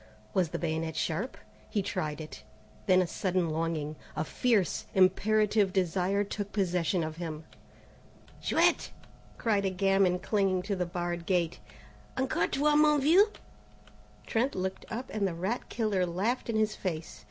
Was the bayonet sharp? He tried it. Then a sudden longing, a fierce, imperative desire took possession of him. "Chouette!" cried a gamin, clinging to the barred gate, "encore toi mon vieux?" Trent looked up, and the rat killer laughed in his face.